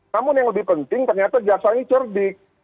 namun yang lebih penting ternyata jaksa ini cerdik